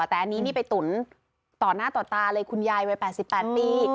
แต่อันนี้นี่ไปตุ๋นต่อหน้าต่อตาเลยคุณยายวัย๘๘ปี